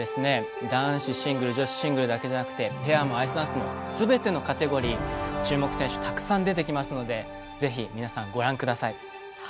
男子シングル、女子シングルだけでなくアイスダンス、ペアもすべてのカテゴリー注目選手がたくさん出てきますので、ぜひ皆さんご覧ください。